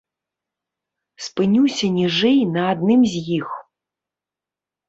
Спынюся ніжэй на адным з іх.